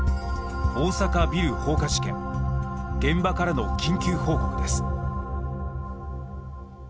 大阪ビル放火事件現場からの緊急報告です。